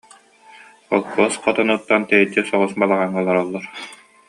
Холкуос хотонуттан тэйиччи соҕус балаҕаҥҥа олороллоро